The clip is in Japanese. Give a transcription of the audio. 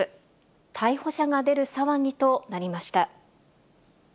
逮捕者が出る騒ぎとなりました。